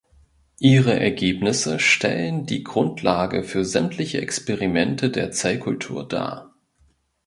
Ihre Ergebnisse stellen die Grundlage für sämtliche Experimente der Zellkultur dar.